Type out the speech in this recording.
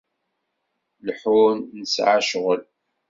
Lḥun! Nesɛa ccɣel.